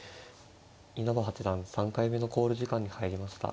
稲葉八段３回目の考慮時間に入りました。